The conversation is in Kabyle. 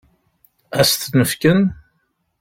Ad s-ten-fken?